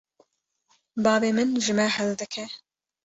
Bavê min ji me hez dike.